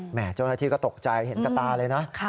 เจ้าหน้าที่ก็ตกใจเห็นกับตาเลยนะ